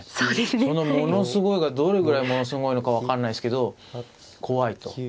そのものすごいがどれぐらいものすごいのか分かんないですけど怖いと。